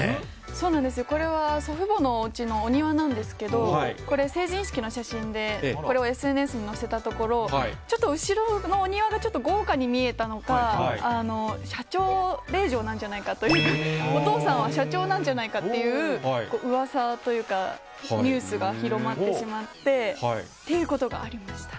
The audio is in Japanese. そうなんですよ、これは祖父母のおうちのお庭なんですけど、これ、成人式の写真で、これをＳＮＳに載せたところ、ちょっと後ろのお庭がちょっと豪華に見えたのか、社長令嬢なんじゃないかというか、お父さんは社長なんじゃないかっていううわさというか、ニュースが広まってしまって、っていうことがありました。